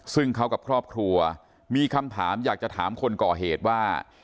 ซึ่งเขากับครอบครัวมีคำถามอยากจะถามคนก่อเหตุว่า